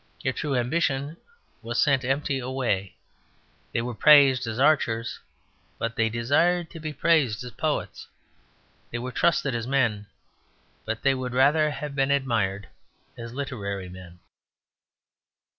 Their true ambition was sent empty away. They were praised as archers; but they desired to be praised as poets. They were trusted as men, but they would rather have been admired as literary men.